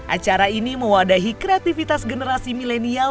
acara ini mewadahi kreativitas generasi milenial